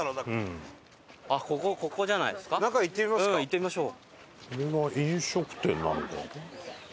行ってみましょう。